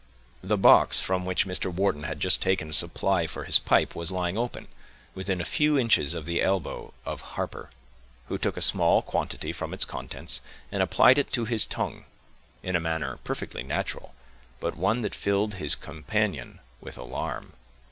The box from which Mr. Wharton had just taken a supply for his pipe was lying open, within a few inches of the elbow of Harper, who took a small quantity from its contents, and applied it to his tongue, in a manner perfectly natural, but one that filled his companion with alarm.